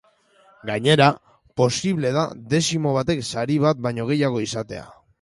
Gainera, posible da dezimo batek sari bat baino gehiago izatea.